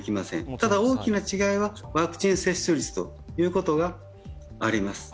ただ大きな違いはワクチン接種率ということがあります。